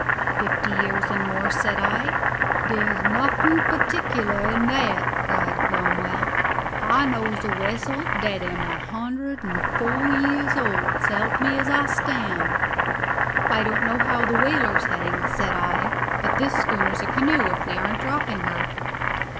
"Fifty years and more," said I. "Dere's nuffin' pertickler in dat," cried Cromwell. "I knows a wessel dat am a hundred an' four year old, s'elp me as I stand." "I don't know how the whaler's heading," said I, "but this schooner's a canoe if we aren't dropping her!"